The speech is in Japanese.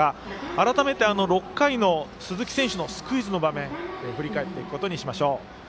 改めて、６回の鈴木選手のスクイズの場面振り返ることにしましょう。